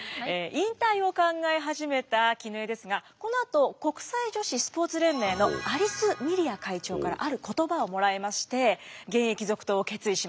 引退を考え始めた絹枝ですがこのあと国際女子スポーツ連盟のアリス・ミリア会長からある言葉をもらいまして現役続投を決意します。